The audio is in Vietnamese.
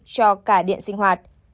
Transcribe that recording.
cho cả điện sinh hoạt